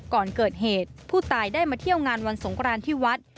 ก่อนเกิดเหตุผู้ตายได้มาเที่ยวงานวันสงครานที่วัด